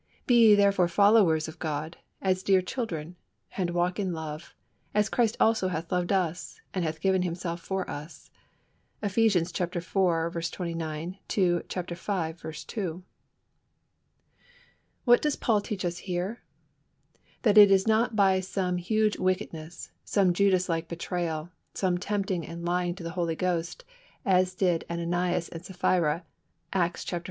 Be ye therefore followers of God, as dear children; and walk in love, as Christ also hath loved us, and hath given Himself for us" (Eph. iv. 29 v. 2). What does Paul teach us here? That it is not by some huge wickedness, some Judas like betrayal, some tempting and lying to the Holy Ghost, as did Ananias and Sapphira (Acts v.